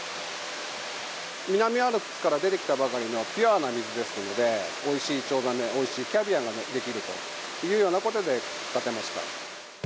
南アルプスから出てきたばかりのピュアな水ですのでおいしいチョウザメおいしいキャビアができるということで建てました。